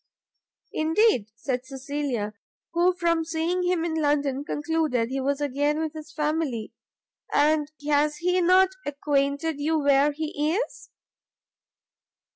"Indeed?" said Cecilia, who, from seeing him in London concluded he was again with his family, "and has he not acquainted you where he is?"